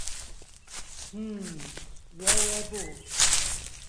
Hmm, jeu era buc.